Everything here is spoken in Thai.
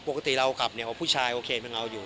ปรับเรากลับในวดผู้ชายโอเคยังเอาอยู่